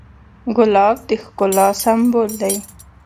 ګلاب د ښکلا سمبول دی.